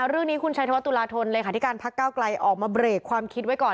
เรื่องนี้คุณชัยธวัฒตุลาธนเลขาธิการพักเก้าไกลออกมาเบรกความคิดไว้ก่อน